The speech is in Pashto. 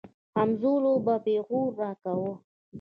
همزولو به پيغور راکاوه.